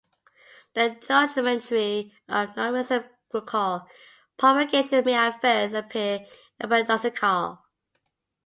The geometry of nonreciprocal propagation may at first appear paradoxical.